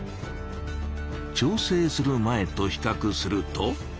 調整する前とひかくすると。